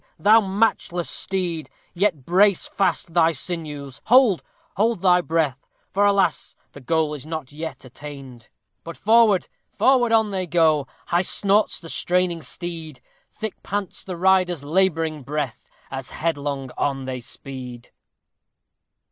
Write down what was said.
thou matchless steed! yet brace fast thy sinews hold, hold thy breath, for, alas! the goal is not yet attained! But forward! forward, on they go, High snorts the straining steed, Thick pants the rider's laboring breath, As headlong on they speed!